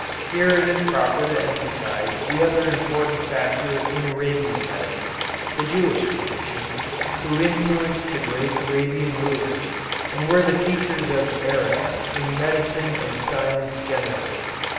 Here it is proper to emphasize the other important factor in Arabian medicine, the Jewish physicians, who influenced the great Arabian rulers, and were the teachers of the Arabs in medicine and science generally.